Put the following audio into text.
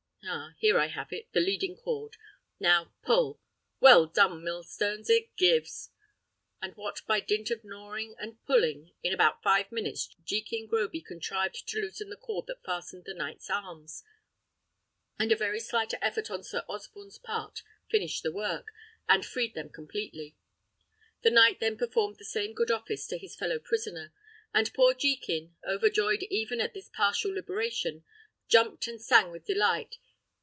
Ah, here I have it, the leading cord! Now pull; well done, millstones! It gives!" And what by dint of gnawing and pulling, in about five minutes Jekin Groby contrived to loosen the cord that fastened the knight's arms, and a very slight effort on Sir Osborne's part finished the work, and freed them completely. The knight then performed the same good office to his fellow prisoner; and poor Jekin, overjoyed even at this partial liberation, jumped and sang with delight.